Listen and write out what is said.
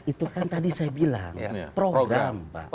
pak itu kan tadi saya bilang program pak